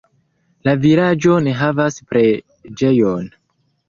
La vilaĝo ne havas preĝejon.